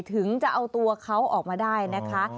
ถึงจะเอาตัวเขาออกมาได้นะคะ